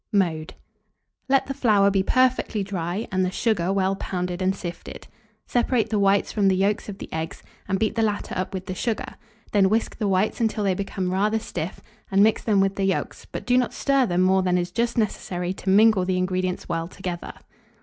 Mode. Let the flour be perfectly dry, and the sugar well pounded and sifted. Separate the whites from the yolks of the eggs, and beat the latter up with the sugar; then whisk the whites until they become rather stiff, and mix them with the yolks, but do not stir them more than is just necessary to mingle the ingredients well together.